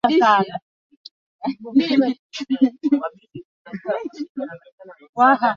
Huyo ni mjomba wangu